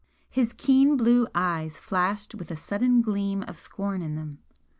His keen blue eyes flashed with a sudden gleam of scorn in them.